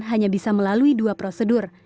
hanya bisa melalui dua prosedur